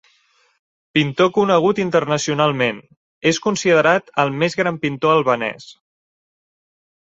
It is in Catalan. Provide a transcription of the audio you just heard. Pintor conegut internacionalment, és considerat el més gran pintor albanès.